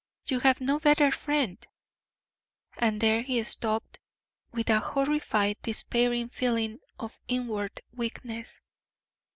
You have no better friend " and there he stopped with a horrified, despairing feeling of inward weakness.